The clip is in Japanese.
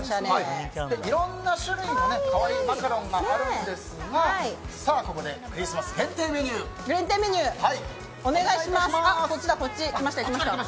いろんな種類の可愛いマカロンがあるんですがここでクリスマス限定メニューお願いします。